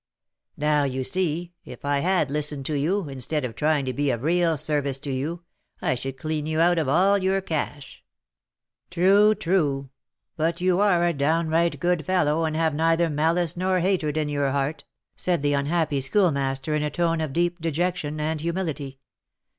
"Now, you see, if I had listened to you, instead of trying to be of real service to you, I should clean you out of all your cash." "True, true. But you are a downright good fellow, and have neither malice nor hatred in your heart," said the unhappy Schoolmaster, in a tone of deep dejection and humility.